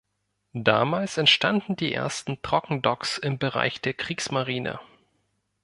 Damals entstanden die ersten Trockendocks im Bereich der Kriegsmarine.